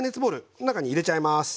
この中に入れちゃいます。